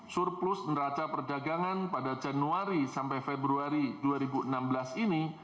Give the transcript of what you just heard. surplus neraca perdagangan pada januari sampai februari dua ribu enam belas ini